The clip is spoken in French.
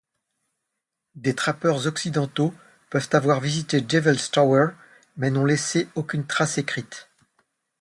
Des trappeurs occidentaux peuvent avoir visité Devils Tower, mais n'ont laissé aucune trace écrite.